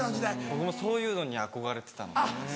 僕もそういうのに憧れてたので。